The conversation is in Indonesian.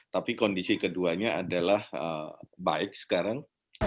tapi kondisi keduanya adalah baik sekarang